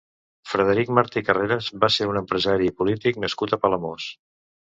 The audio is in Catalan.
Frederic Martí Carreras va ser un empresari i polític nascut a Palamós.